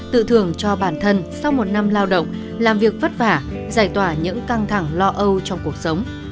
tự thưởng cho bản thân sau một năm lao động làm việc vất vả giải tỏa những căng thẳng lo âu trong cuộc sống